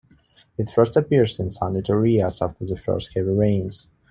It first appears in sunlit areas after the first heavy rains.